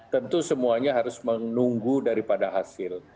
tentu semuanya harus menunggu daripada hasil